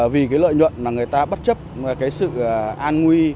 vì cái lợi nhuận mà người ta bất chấp cái sự an nguy